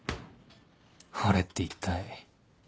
俺って一体